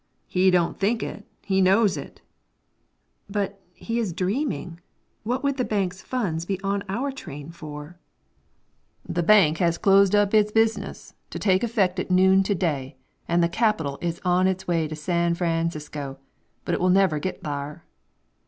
"He don't think it; he knows it." "But, he is dreaming. What would the bank's funds be on our train for?" "The bank has closed up its business, to take effect at noon to day, and the capital is on its way to San Francisco. But, it will never get thar."